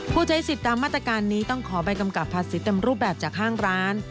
ผู้ใช้สิทธิ์ตามมาตรการนี้ต้องขอใบกำกับภาษีเต็มรูปแบบจากห้างร้าน